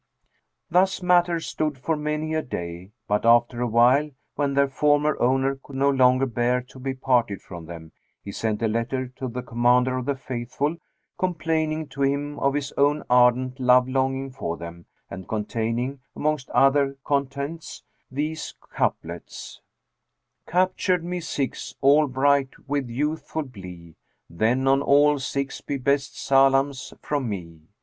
Thus matters stood for many a day; but, after awhile, when their former owner could no longer bear to be parted from them, he sent a letter to the Commander of the Faithful complaining to him of his own ardent love longing for them and containing, amongst other contents, these couplets, "Captured me six, all bright with youthful blee; * Then on all six be best salams from me!